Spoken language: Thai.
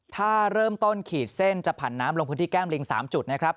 ถ้าเริ่มต้นขีดเส้นจะผันน้ำลงพื้นที่แก้มลิง๓จุดนะครับ